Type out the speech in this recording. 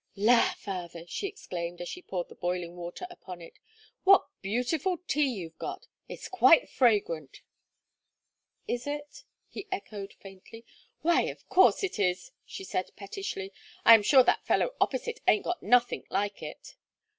"La! Father," she exclaimed, as she poured the boiling water upon it, "what beautiful tea you've got; it's quite fragrant." "Is it?" he echoed, faintly, "Why, of course it is," she said, pettishly, "I am sure that fellow opposite ain't got nothink like it."